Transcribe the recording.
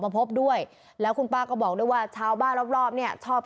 พบด้วยแล้วคุณป้าก็บอกด้วยว่าชาวบ้านรอบรอบเนี่ยชอบ